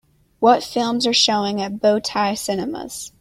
what films are showing at Bow Tie Cinemas